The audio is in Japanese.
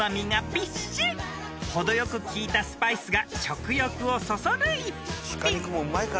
［程よく効いたスパイスが食欲をそそる一品］